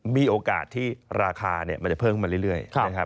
มีโอกาสที่ราคามันจะเพิ่มขึ้นมาเรื่อยนะครับ